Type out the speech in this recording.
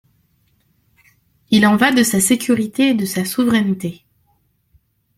Il en va de sa sécurité et de sa souveraineté.